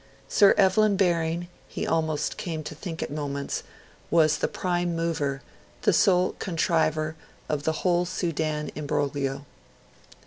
Sir Evelyn Baring, he almost came to think at moments, was the prime mover, the sole contriver, of the whole Sudan imbroglio.